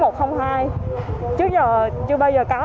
trước giờ chưa bao giờ có